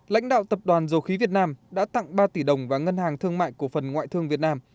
lãnh đạo tập đoàn dầu khí việt nam đã tặng ba tỷ đồng vào ngân hàng thương mại cổ phần ngoại thương việt nam